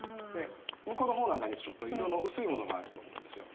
向こうの方なんかにちょっと色の薄いものがあると思うんですよ。